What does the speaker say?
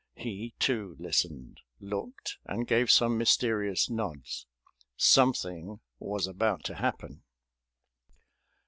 He, too, listened, looked, and gave some mysterious nods. Something was about to happen.